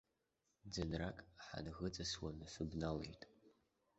Ӡынрак ҳанӷыҵысуаны сыбналеит.